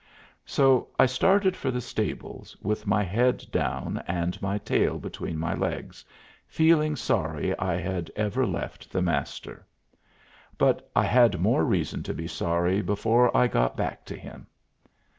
So I started for the stables, with my head down and my tail between my legs, feeling sorry I had ever left the Master. But I had more reason to be sorry before I got back to him.